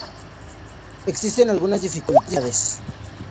Existen algunas dificultades.